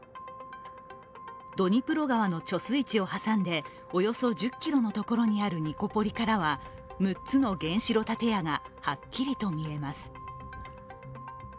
ドニプロ川の貯水池を挟んでおよそ１０ｋｍのところにあるニコポリからは６つの原子炉建屋がはっきりと見えます。